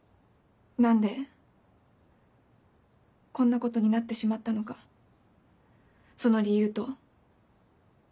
何でこんなことになってしまったのかその理由と。